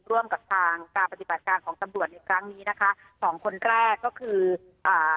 ร่วมกับทางการปฏิบัติการของตำรวจในครั้งนี้นะคะสองคนแรกก็คืออ่า